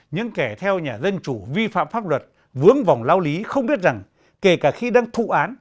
những kẻ theo nhà dân chủ vi phạm pháp luật vướng vòng lao lý không biết rằng kể cả khi đang thụ án